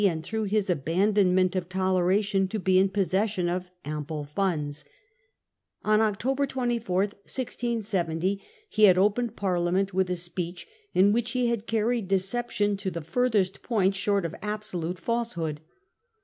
■* and through his abandonment of toleration, to be in possession of ample funds. On October 24, 1670, he had opened Parliament with a speech in which he had carried deception to the furthest point short of absolute Parliament falsehood.